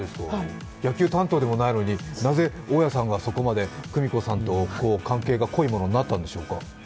野球担当でもないのに、なぜ大家さんがそこまで久美子さんと関係が濃いものになったんでしょうか？